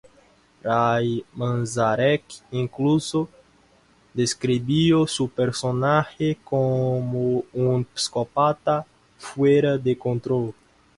Ray Manzarek incluso describió su personaje como "un psicópata fuera de control".